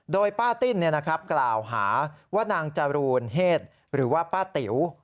โดยป้าติ้นกล่าวหาว่านางจรูนเฮศหรือว่าป้าติ๋ว